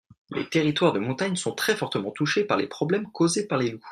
Les territoires de montagne sont très fortement touchés par les problèmes causés par les loups.